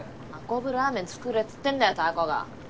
運ぶラーメン作れっつってんだよタコが！